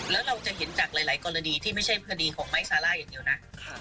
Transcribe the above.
แล้วเราจะเห็นจากหลายกรณีที่ไม่ใช่คดีของไม้ซาร่าอย่างเดียวนะ